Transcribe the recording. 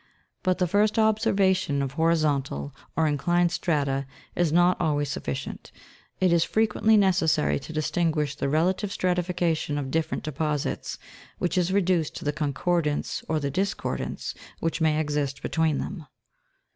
But the first observation of horizontal, or inclined strata, is not always sufficient ; it is frequently necessary to distinguish the relative stratification of different deposits, which is reduced to the concordance, or the discordance which may exist between them.